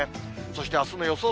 そしてあすの予想